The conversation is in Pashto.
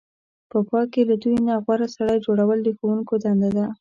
په پای کې له دوی نه غوره سړی جوړول د ښوونکو دنده ده.